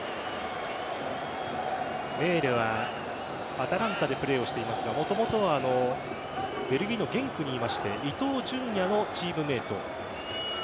メーレはアタランタでプレーをしていますがもともとはベルギーのゲンクにいまして伊東純也のチームメイト。